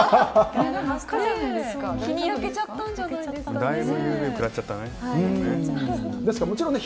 日に焼けちゃったんじゃないですかね。